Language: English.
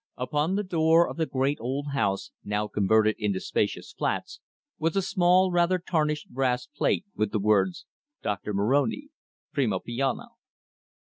Upon the door of the great old house, now converted into spacious flats, was a small, rather tarnished brass plate with the words: "Dr. Moroni, Primo Piano."